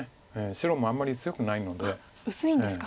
白もあんまり強くないので。